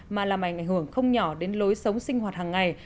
mà làm ảnh hưởng không nhỏ đến lối sống sinh hoạt hàng ngày